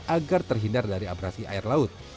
agar terhindar dari abrasi air laut